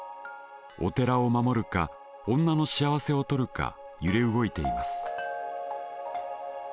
お寺を守るか女の幸せをとるか揺れ動いています。